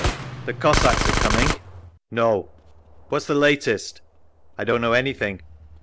"The Cossacks are coming?" "No…." "What's the latest?" "I don't know anything.